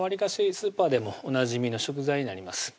スーパーでもおなじみの食材になります